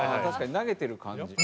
確かに投げてる感じ。